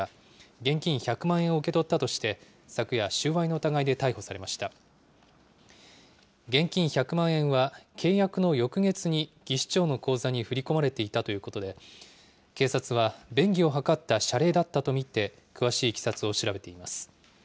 現金１００万円は契約の翌月に技士長の口座に振り込まれていたということで、警察は便宜を図った謝礼だったと見て、詳しいいきさつを調べています。